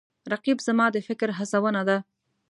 رقیب زما د فکر هڅونه ده